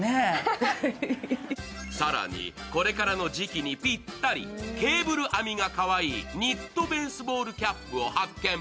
更に、これからの時期にピッタリケーブル編みがかわいいニットベースボールキャップを発見。